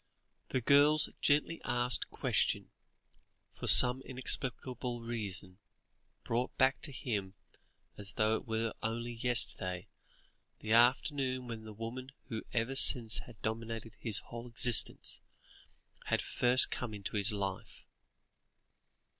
The girl's gently asked question, for some inexplicable reason, brought back to him, as though it were only yesterday, the afternoon when the woman who ever since had dominated his whole existence, had first come into his life.